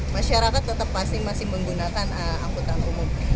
masyarakat tetap pasti masih menggunakan angkutan umum